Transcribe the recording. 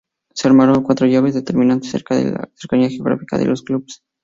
Se armaron cuatro llaves, determinadas según la cercanía geográfica de los clubes.